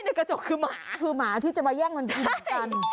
ในกระจกคือหมาคือหมาที่จะมาแย่งกันกัน